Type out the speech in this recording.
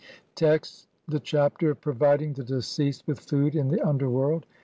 Text : (i) The Chapter of providing the deceased WITH FOOD [IN THE UNDERWORLD].